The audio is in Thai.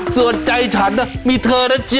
ส่วนใจฉันมีเธอนะจ๊